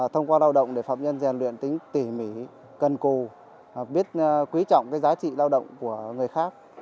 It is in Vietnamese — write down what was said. thông qua lao động để phạm nhân rèn luyện tính tỉ mỉ cần cù biết quý trọng giá trị lao động của người khác